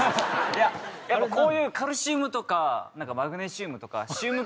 やっぱこういうカルシウムとかマグネシウムとかシウム系！？